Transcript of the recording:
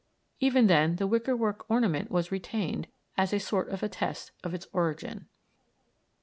Even then the wicker work ornament was retained, as a sort of attest of its origin.